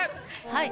はい。